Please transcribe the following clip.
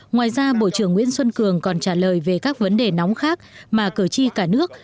ngoài ra bộ trưởng nguyễn xuân cường còn trả lời về các vấn đề nóng khác mà cử tri cả nước